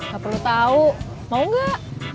gak perlu tau mau gak